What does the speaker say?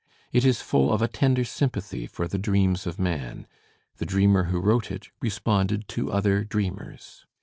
It is full of a tender sympathy for the dreams of man; the dreamer who wrote it responded to other dreamers.